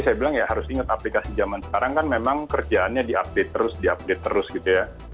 saya bilang ya harus ingat aplikasi zaman sekarang kan memang kerjaannya diupdate terus diupdate terus gitu ya